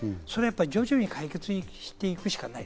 徐々に解決していくしかない。